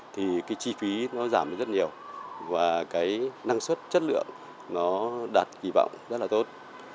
thì cái chi phí nó giảm được rất nhiều và cái năng suất chất lượng nó đạt kỳ vọng rất là tốt